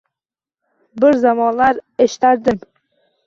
Bir zamonlar eshitardim